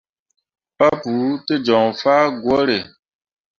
Papou te joŋ fah gwǝǝre.